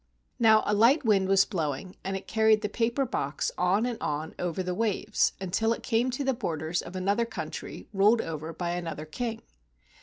Now a light wind was blowing, and it carried the paper box on and on over the waves until it came to the borders of another country ruled over by another King.